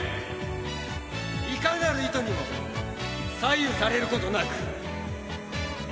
いかなる意図にも左右されることなく。